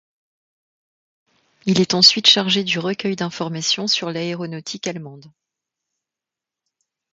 Il est ensuite chargé du recueil d'informations sur l'aéronautique allemande.